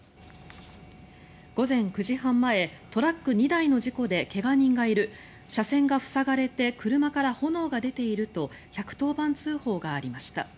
午前９時半前トラック２台の事故で怪我人がいる車線が塞がれて車から炎が出ていると１１０番通報がありました。